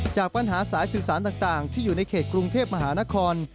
จากปัญหาสายสื่อสารต่างที่อยู่ในเขตกรุงเทพมหานคร